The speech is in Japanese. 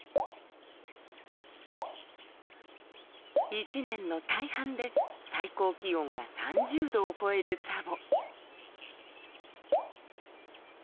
１年の大半で最高気温が３０度を超えるツァボ。